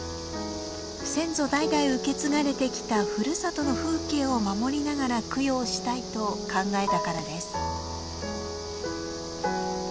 先祖代々受け継がれてきたふるさとの風景を守りながら供養したいと考えたからです。